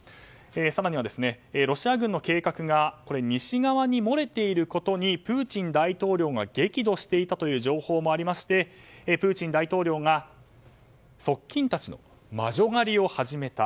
更にはロシア軍の計画が西側に漏れていることにプーチン大統領が激怒していたという情報もありプーチン大統領が側近たちの魔女狩りを始めた。